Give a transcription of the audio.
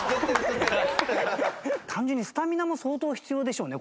単純にスタミナも相当必要でしょうね